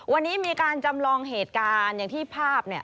วันนี้มีการจำลองเหตุการณ์อย่างที่ภาพเนี่ย